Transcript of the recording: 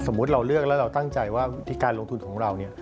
สมมุติเราเลือกแล้วเราตั้งใจว่าที่การลงทุนของเรา